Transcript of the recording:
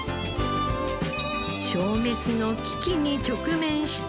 消滅の危機に直面して。